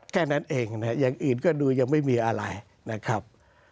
แค่นั้นเองนะครับอย่างอื่นก็ดูยังไม่มีอะไรนะครับ